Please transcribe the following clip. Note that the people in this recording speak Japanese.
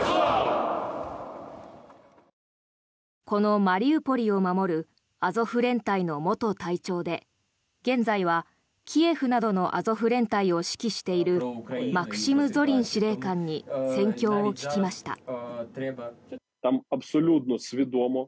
このマリウポリを守るアゾフ連隊の元隊長で現在はキエフなどのアゾフ連隊を指揮しているマクシム・ゾリン司令官に戦況を聞きました。